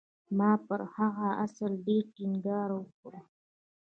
ما پر هغه اصل ډېر ټينګار وکړ.